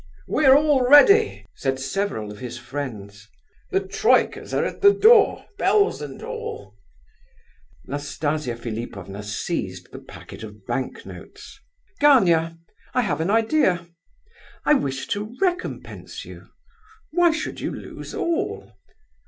"We're all ready," said several of his friends. "The troikas [Sledges drawn by three horses abreast.] are at the door, bells and all." Nastasia Philipovna seized the packet of bank notes. "Gania, I have an idea. I wish to recompense you—why should you lose all?